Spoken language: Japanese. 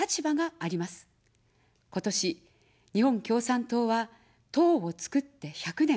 今年、日本共産党は党をつくって１００年。